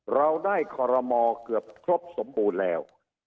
เราได้คอรมอเกือบครบสมบูรณ์แล้ว